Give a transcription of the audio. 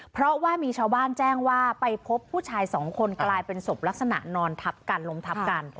เพราะว่ามีชาวบ้านแจ้งว่าไปพบผู้ชายสองคนกลายเป็นศพลักษณะนอนทับกันล้มทับกัน